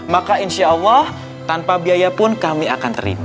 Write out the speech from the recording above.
maka insya allah tanpa biaya pun kami akan terima